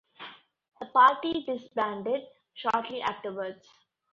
The party disbanded shortly afterwards.